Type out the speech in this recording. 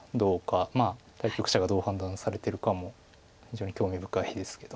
対局者がどう判断されてるかも非常に興味深いですけど。